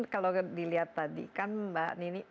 kalau dilihat tadi kan mbak nini